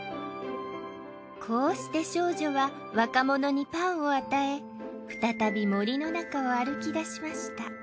こうして少女は若者にパンを与え再び森の中を歩き出しました。